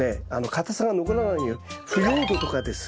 かたさが残らないように腐葉土とかですね